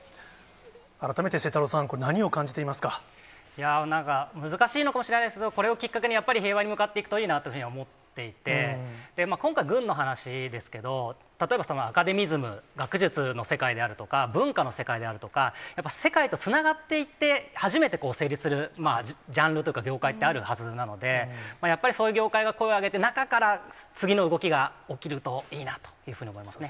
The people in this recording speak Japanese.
改めて晴太郎さん、これ、いやぁ、なんか難しいのかもしれないですけど、これをきっかけにやっぱり平和に向かっていくといいなというふうに思っていて、今回、軍の話ですけど、例えばアカデミズム、学術の世界であるとか、文化の世界であるとか、やっぱ世界とつながっていて初めて成立するジャンルとか業界ってあるはずなので、やっぱりそういう業界が声を上げて、中から次の動きが起きるといいなというふうに思いますね。